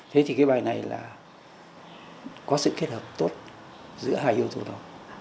thế thì cái bài này là có sự kết hợp tốt giữa hai yêu thù đó